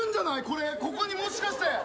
ここにもしかして。